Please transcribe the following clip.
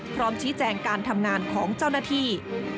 พร้อมชี้แจงการทำงานของเจ้าหน้าที่